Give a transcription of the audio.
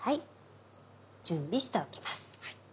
準備しておきます。